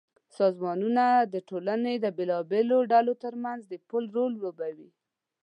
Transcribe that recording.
سازمانونه د ټولنې د بېلابېلو ډلو ترمنځ د پُل رول لوبوي.